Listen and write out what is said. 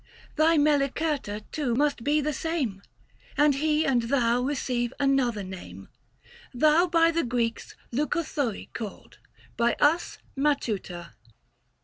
650 Thy Melicerta, too, must be the same, And he and thou receive another name ; Thou by the Greeks Leucothoe called, by us Matuta.